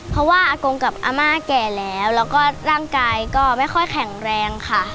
เพราะว่าอากงกับอาม่าแก่แล้วแล้วก็ร่างกายก็ไม่ค่อยแข็งแรงค่ะ